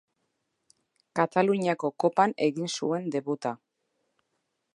Kataluniako Kopan egin zuen debuta.